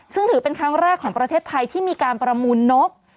ซึ่งถือเป็นครั้งแรกของประเทศไทยที่มีการประมูลนก